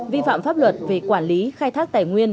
vi phạm pháp luật về quản lý khai thác tài nguyên